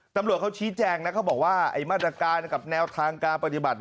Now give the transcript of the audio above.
ตำรวจเขาชี้แจงนะเขาบอกว่าไอ้มาตรการกับแนวทางการปฏิบัติ